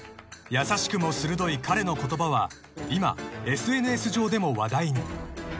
［優しくも鋭い彼の言葉は今ＳＮＳ上でも話題に］